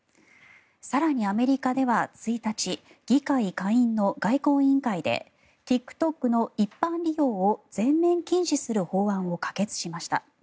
更に、アメリカでは１日議会下院の外交委員会でＴｉｋＴｏｋの一般利用を全面禁止する法案を可決しました。